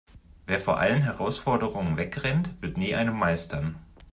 Wer vor allen Herausforderungen wegrennt, wird nie eine meistern.